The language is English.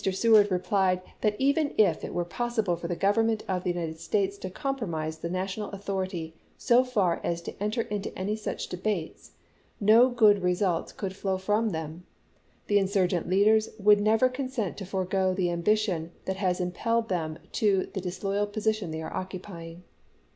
Seward replied that even if it were possible for the Government of the United States to compromise the national authority so far as to enter into any such debates, no good results could flow from them ; the insurgent leaders would never consent to forego the ambition that has impelled them to the disloyal position they are occupying.